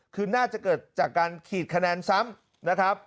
คือน่าจะเกิดจากการขีดคะแนนซ้ำนะครับ